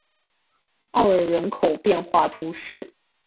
奥尔人口变化图示